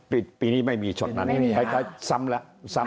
ปีนี้ไม่มีช็อตนั้นคล้ายซ้ำละ